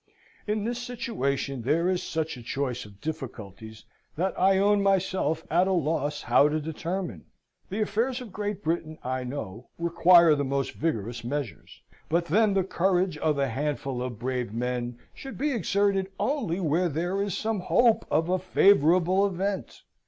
In this situation there is such a choice of difficulties, that I own myself at a loss how to determine. The affairs of Great Britain, I know, require the most vigorous measures; but then the courage of a handful of brave men should be exerted only where there is some hope of a favourable event.